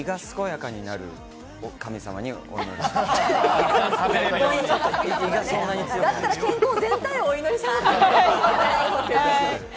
胃が健やかになる神様にお祈りしたい。